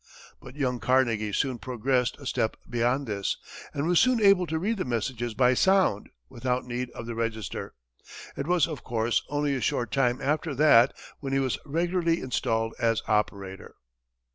But young Carnegie soon progressed a step beyond this, and was soon able to read the messages by sound, without need of the register. It was, of course, only a short time after that when he was regularly installed as operator.